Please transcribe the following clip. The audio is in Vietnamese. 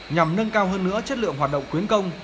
nhằm nâng cao hơn nữa chất lượng hoạt động quyến công